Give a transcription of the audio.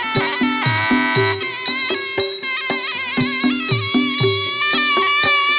โชว์ที่สุดท้าย